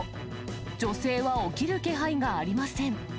女性は起きる気配がありません。